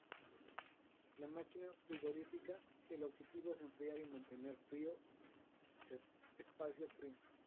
En la máquina frigorífica el objetivo es enfriar y mantener frío el espacio frío.